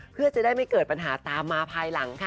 เพื่อจะได้ไม่เกิดปัญหาตามมาภายหลังค่ะ